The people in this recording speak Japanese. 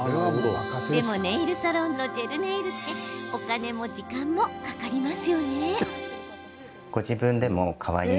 でもネイルサロンのジェルネイルってお金も時間もかかりますよね？